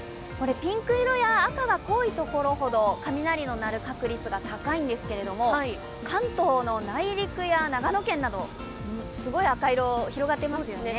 ピンク色や赤が濃いところほど、雷の鳴る確率が高いんですが、関東の内陸や長野県などにすごい赤色、広がってますよね。